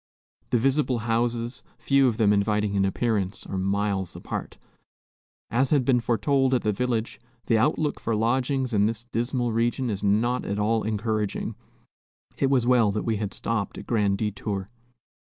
The visible houses, few of them inviting in appearance, are miles apart. As had been foretold at the village, the outlook for lodgings in this dismal region is not at all encouraging. It was well that we had stopped at Grand Detour.